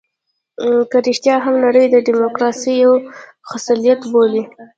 که رښتيا هم نړۍ ډيموکراسي یو خصلت بولي.